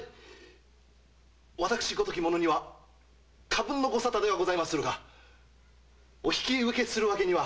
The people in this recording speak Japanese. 私ごとき者には過分のごサタでございまするがお引き受けする訳には。